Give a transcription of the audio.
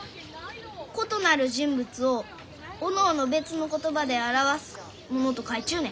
異なる人物をおのおの別の言葉で表すもの」と書いちゅうね。